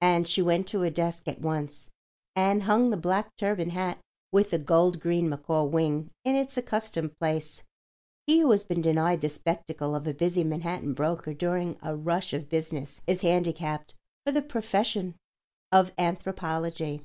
And she went to her desk at once and hung the black turban hat with the gold green macaw wing in its accustomed place. He who has been denied the spectacle of a busy Manhattan broker during a rush of business is handicapped for the profession of anthropology.